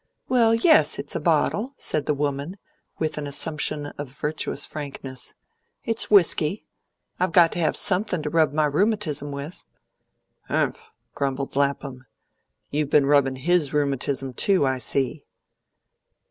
"Well, yes, it's a bottle," said the woman, with an assumption of virtuous frankness. "It's whisky; I got to have something to rub my rheumatism with." "Humph!" grumbled Lapham. "You've been rubbing HIS rheumatism too, I see."